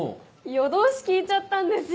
夜通し聴いちゃったんですよ。